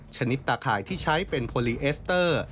ชนิดตาข่ายที่ใช้เป็นโพลีเอสเตอร์